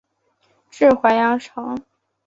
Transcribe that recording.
治淮阳城。